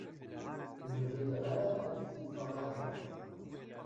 Ur ɣileɣ ara ad d-teffeɣ akka.